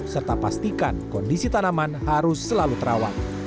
serta pastikan kondisi tanaman harus selalu terawat